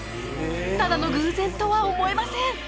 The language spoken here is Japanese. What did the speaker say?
ただの偶然とは思えません